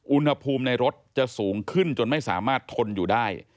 อุณหภูมิในรถจะสูงขึ้นจนไม่สามารถทนอยู่ได้